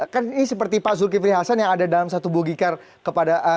kan ini seperti pak zulkifli hasan yang ada dalam satu bugikar kepada